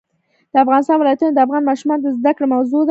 د افغانستان ولايتونه د افغان ماشومانو د زده کړې موضوع ده.